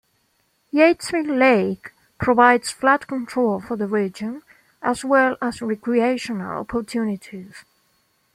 Yatesville Lake provides flood control for the region as well as recreational opportunities.